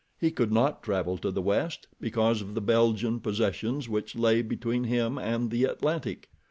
He could not travel to the west because of the Belgian possessions which lay between him and the Atlantic.